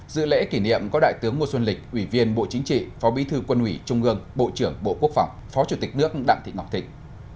dự lễ kỷ niệm có đại tướng ngô xuân lịch ủy viên bộ chính trị phó bí thư quân ủy trung ương bộ trưởng bộ quốc phòng phó chủ tịch nước đặng thị ngọc thịnh